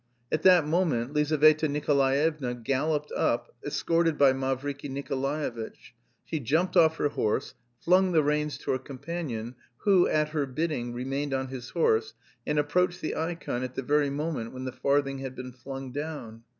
At that moment Lizaveta Nikolaevna galloped up, escorted by Mavriky Nikolaevitch. She jumped off her horse, flung the reins to her companion, who, at her bidding, remained on his horse, and approached the ikon at the very moment when the farthing had been flung down.